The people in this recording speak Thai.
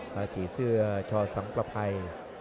ภาษีเสื้อชสังประภัย